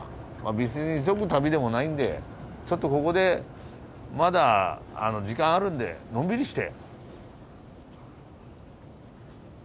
別に急ぐ旅でもないんでちょっとここでまだ時間あるんでのんびりして。